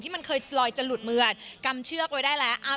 มันเคยลอยจะหลุดมือกำเชือกไว้ได้แล้ว